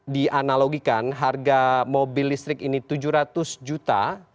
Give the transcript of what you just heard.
dianalogikan harga mobil listrik ini tujuh ratus juta